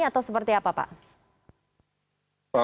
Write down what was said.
atau seperti apa pak